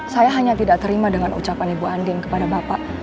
saya hanya tidak terima dengan ucapan ibu andin kepada bapak